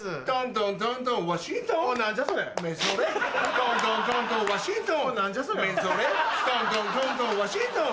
トントントントンワシントン！